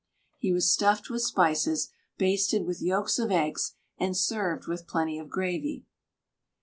He was stuffed with spices, basted with yolks of eggs, and served with plenty of gravy.